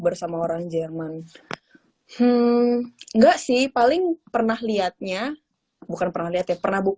bersama orang jerman enggak sih paling pernah lihatnya bukan pernah lihatnya pernah book